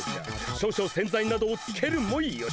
少々洗剤などをつけるもよし。